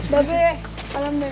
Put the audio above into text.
bebe salam be